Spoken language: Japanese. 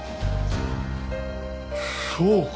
そうか。